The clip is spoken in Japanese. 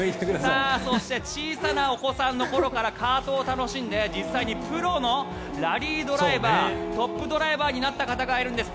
そして小さなお子さんの頃からカートを楽しんで実際にプロのラリードライバートップドライバーになった方がいるんです。